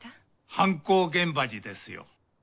犯行現場にですよ。